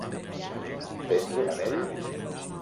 Tens un anell?